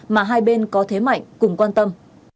mà hai bên có thế mạnh cùng quan tâm